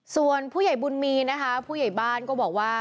ส่วนผู้ใหญ่บุญมีนะคะผู้ใหญ่บ้านก็บอกว่า